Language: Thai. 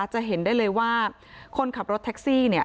จะเห็นได้เลยว่าคนขับรถแท็กซี่เนี่ย